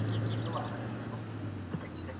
حکومت د عامه خلګو خدمت کوي.